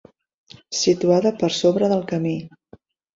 Situada per sobre del camí.